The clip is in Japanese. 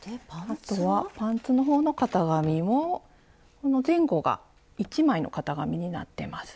あとはパンツのほうの型紙もこの前後が１枚の型紙になってます。